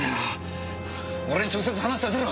俺に直接話をさせろ！